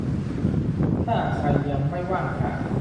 ถ้าใครยังไม่ว่างผ่า